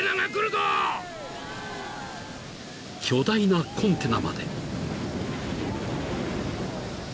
［巨大なコンテナまで］